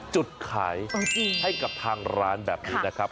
จุดขายให้กับทางร้านแบบนี้นะครับ